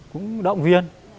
cũng động viên